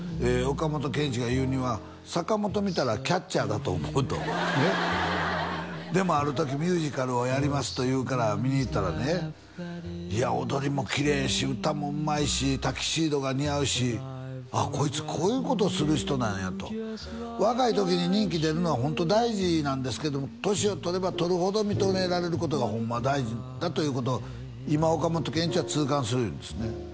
岡本健一が言うには坂本見たらキャッチャーだと思うとでもある時ミュージカルをやりますというから見に行ったらねいや踊りもキレええし歌もうまいしタキシードが似合うしああこいつこういうことをする人なんやと若い時に人気出るのはホント大事なんですけど年を取れば取るほど認められることがホンマは大事だということを今岡本健一は痛感する言うんですね